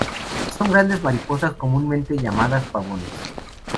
Son grandes mariposas, comúnmente llamadas pavones.